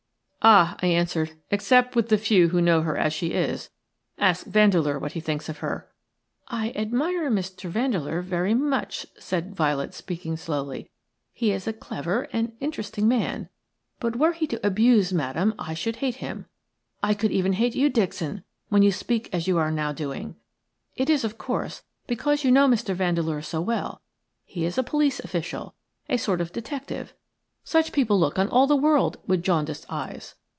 "Ah," I answered, "except with the few who know her as she is. Ask Vandeleur what he thinks of her." "I admire Mr. Vandeleur very much," said Violet, speaking slowly. "He is a clever and interesting man, but were he to abuse Madame I should hate him, I could even hate you, Dixon, when you speak as you are now doing. It is, of course, because you know Mr. Vandeleur so well. He is a police official, a sort of detective – such people look on all the world with jaundiced eyes.